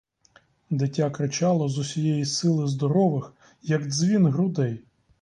Дитя кричало з усієї сили здорових, як дзвін, грудей.